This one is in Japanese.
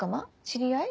知り合い？